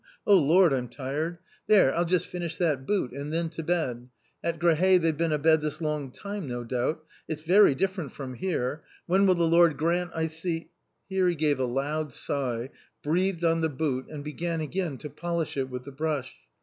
Oh, Lord, I'm tired ! There, I'll just 1 t «•><..« A COMMON STORY 99 finish that boot — and then to bed. At Grahae they've been abed this long time, no doubt ; it's very^HKerent from here ! When will the Lord grant I see " Here he gave a loud sigh, breathed on the boot, and began again to polish it with the brush.